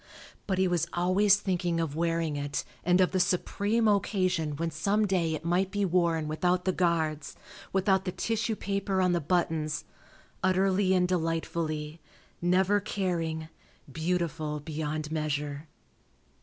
But he was always thinking of wearing it and of the supreme occasion when some day it might be worn without the guards, without the tissue paper on the buttons, utterly and delightfully, never caring, beautiful beyond measure.